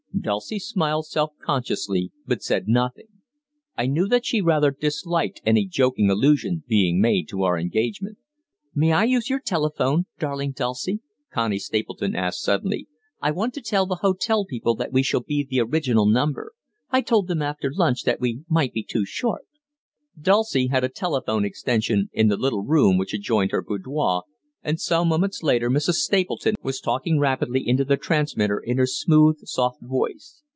Dulcie smiled self consciously, but said nothing. I knew that she rather disliked any joking allusion being made to our engagement. "May I use your telephone, darling Dulcie?" Connie Stapleton asked suddenly. "I want to tell the hotel people that we shall be the original number. I told them after lunch that we might be two short." Dulcie had a telephone extension in the little room which adjoined her boudoir, and some moments later Mrs. Stapleton was talking rapidly into the transmitter in her smooth, soft voice.